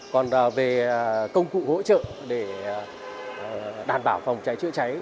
còn về công cụ hỗ trợ để đảm bảo phòng cháy chữa cháy